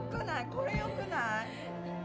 これよくない！？